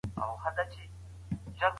لا په هسکو سردرو کې افغاني زمریان غورېږي